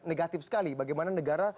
negatif sekali bagaimana negara